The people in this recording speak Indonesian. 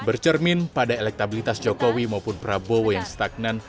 bercermin pada elektabilitas jokowi maupun prabowo yang stagnan